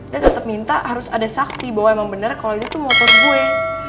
dia tetep minta harus ada saksi bahwa emang bener kalo itu tuh motor gue